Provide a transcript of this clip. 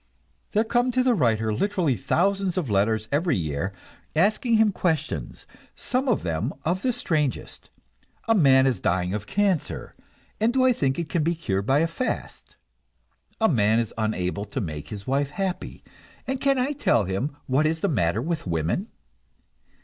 There come to the writer literally thousands of letters every year, asking him questions, some of them of the strangest. A man is dying of cancer, and do I think it can be cured by a fast? A man is unable to make his wife happy, and can I tell him what is the matter with women?